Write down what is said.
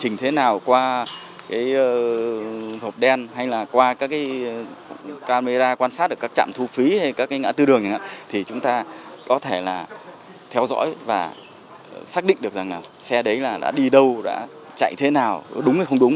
nếu xác định được xe đấy đã đi đâu đã chạy thế nào đúng hay không đúng